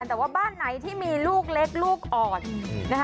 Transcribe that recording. แต่ว่าบ้านไหนที่มีลูกเล็กลูกอ่อนนะคะ